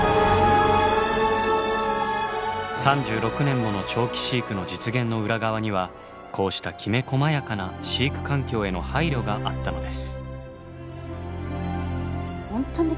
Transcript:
３６年もの長期飼育の実現の裏側にはこうしたきめこまやかな飼育環境への配慮があったのです。